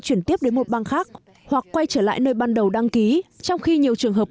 chuyển tiếp đến một bang khác hoặc quay trở lại nơi ban đầu đăng ký trong khi nhiều trường hợp